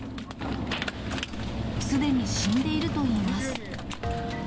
すでに死んでいるといいます。